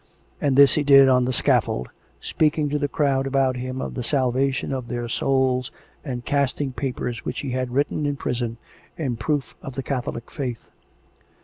And this he did on the scaffold, speaking to the crowd about him of the salvation of their souls, and casting papers. COME RACK! COME ROPE! 407 wHich he had written in prison, in proof of the Catholic faith.